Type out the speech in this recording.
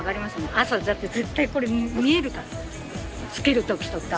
朝絶対これ見えるから着ける時とか。